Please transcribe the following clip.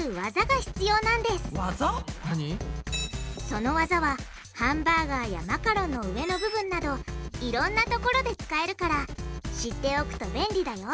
その技はハンバーガーやマカロンの上の部分などいろんなところで使えるから知っておくと便利だよ！